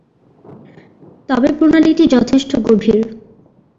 তবে প্রণালীটি যথেষ্ট গভীর।